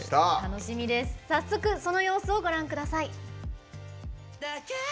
早速その様子をご覧ください。